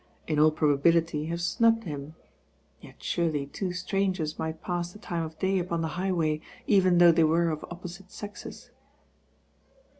In aU probabiUty have snubbed him; yet surely two strangers might pass the time of day upon the highway, even though they were of opposite sexes.